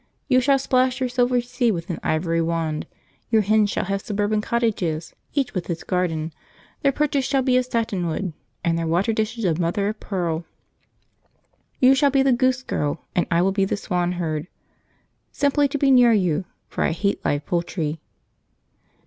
You shall splash your silver sea with an ivory wand; your hens shall have suburban cottages, each with its garden; their perches shall be of satin wood and their water dishes of mother of pearl. You shall be the Goose Girl and I will be the Swan Herd simply to be near you for I hate live poultry.